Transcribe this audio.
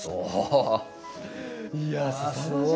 いやすごい。